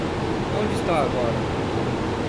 Onde está agora?